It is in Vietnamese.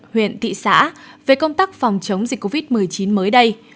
huyện thị xã về công tác phòng chống dịch covid một mươi chín mới đây